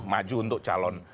maju untuk calon